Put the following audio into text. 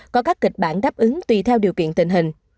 có các kịch bản đáp ứng tùy theo điều kiện tình hình